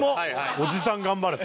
おじさん頑張れと。